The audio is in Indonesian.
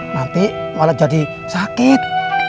nanti malah jadi sakit